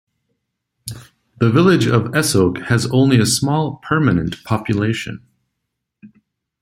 The village of Essouk has only a small permanent population.